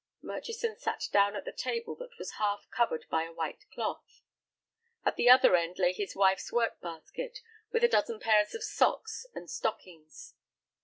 Murchison sat down at the table that was half covered by a white cloth. At the other end lay his wife's work basket, with a dozen pairs of socks and stockings.